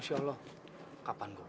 masya allah kapan gue berusaha